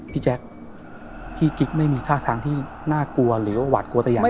แจ๊คพี่กิ๊กไม่มีท่าทางที่น่ากลัวหรือว่าหวาดกลัวแต่อย่างใด